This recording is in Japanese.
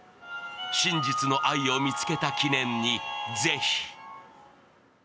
真実の愛を見つけた記念にぜひ。